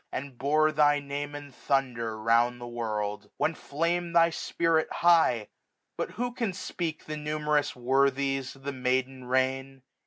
And bore thy name in thunder round the world. 14.95 Then flam'd thy spirit high : but who can speak The numerous worthies of the Maiden Reign